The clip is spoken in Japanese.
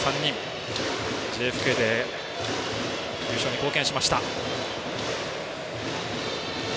ＪＦＫで優勝に貢献しました。